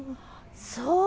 そう。